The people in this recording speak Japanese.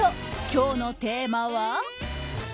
今日のテーマは。